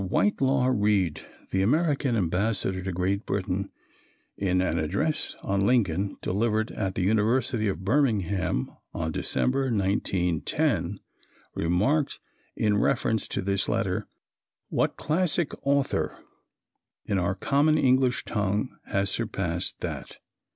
Whitelaw Reid, the American Ambassador to Great Britain, in an address on Lincoln delivered at the University of Birmingham in December, 1910, remarked in reference to this letter, "What classic author in our common English tongue has surpassed that?"